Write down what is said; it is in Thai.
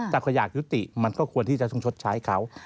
แต่ก็อยากยุติมันก็ควรที่จะชดใช้เขา